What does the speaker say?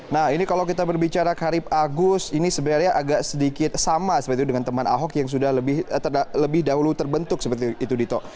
nah ini kalau kita berbicara karip agus ini sebenarnya agak sedikit sama seperti itu dengan teman ahok yang sudah lebih dahulu terbentuk seperti itu dito